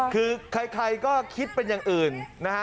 คือใครก็คิดเป็นอย่างอื่นนะฮะ